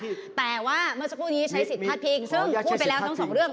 แต่ว่าเมื่อสักครู่นี้ใช้สิทธิ์พาจพิง